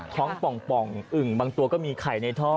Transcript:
ท้องป่องอึ่งบางตัวก็มีไข่ในท่อ